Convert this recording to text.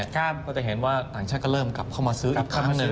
ก็จะเห็นว่าต่างชาติก็เริ่มกลับเข้ามาซื้ออีกครั้งหนึ่ง